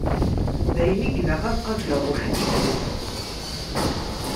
D ayen i ilaq ad qableɣ weḥd-i kan.